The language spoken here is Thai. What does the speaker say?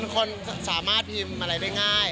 คนสามารถพิมพ์อะไรได้ง่าย